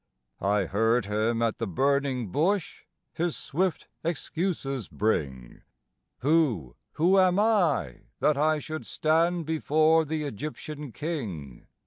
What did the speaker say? I heard him at the burning bush his swift excuses bring: "Who, who am I, that I should stand before the Egyptian king?